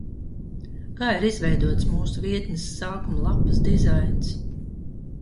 Kā ir izveidots mūsu vietnes sākuma lapas dizains?